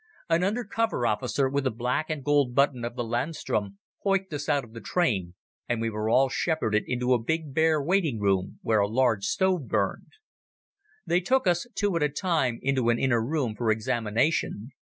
An under officer, with the black and gold button of the Landsturm, hoicked us out of the train, and we were all shepherded into a big bare waiting room where a large stove burned. They took us two at a time into an inner room for examination.